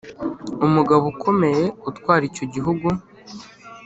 Umugabo ukomeye utwara icyo gihugu